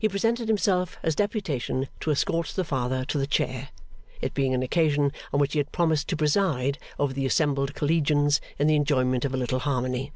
He presented himself as deputation to escort the Father to the Chair, it being an occasion on which he had promised to preside over the assembled Collegians in the enjoyment of a little Harmony.